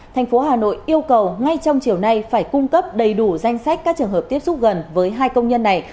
thành phố hà nội yêu cầu ngay trong chiều nay phải cung cấp đầy đủ danh sách các trường hợp tiếp xúc gần với hai công nhân này